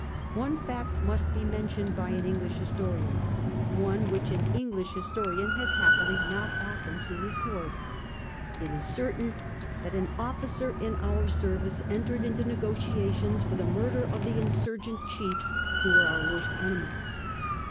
One fact must be mentioned by an English historian ; one which an English histo rian has happily not often to record. It is certain that an officer in our service entered into negotiations for the murder of the insurgent chiefs who were our worst enemies.